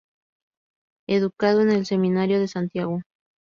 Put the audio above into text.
Educado en el Seminario de Santiago.